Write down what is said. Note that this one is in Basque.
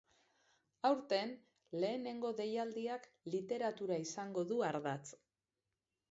Aurten, lehenengo deialdiak literatura izango du ardatz.